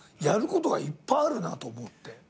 やることがいっぱいあるなと思って。